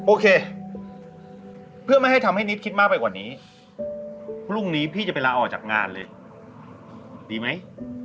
โอเคเพื่อไม่ให้ทำให้นิดคิดมากไปกว่านี้พรุ่งนี้พี่จะไปลาออกจากงานเลยดีไหม